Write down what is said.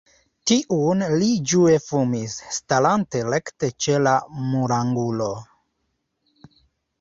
Tiun li ĝue fumis, starante rekte ĉe la murangulo.